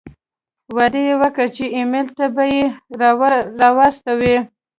وعده یې وکړه چې ایمېل ته به یې را واستوي.